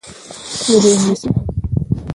زه د انګلیسي تمرین کوم.